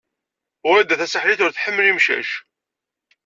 Wrida Tasaḥlit ur tḥemmel imcac.